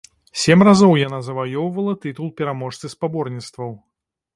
Сем разоў яна заваёўвала тытул пераможцы спаборніцтваў.